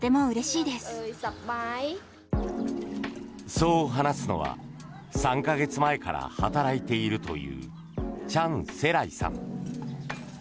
そう話すのは３か月前から働いているというチャン・セライさん。